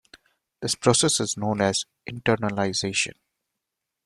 This process is known as internalization.